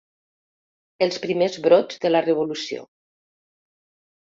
Els primers brots de la revolució.